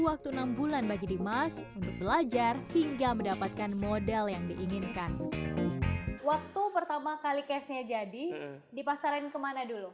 waktu pertama kali case nya jadi dipasaran kemana dulu